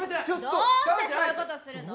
どうしてそういうことするの！